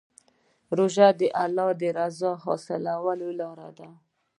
روژه د الله د رضا حاصلولو لاره ده.